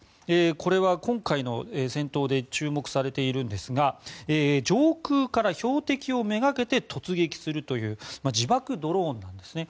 これは今回の戦闘で注目されているんですが上空から標的をめがけて突撃するという自爆ドローンなんですね。